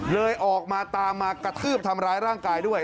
เลยออกมาตามมากระทืบทำร้ายร่างกายด้วย